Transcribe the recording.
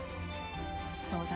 そうだね。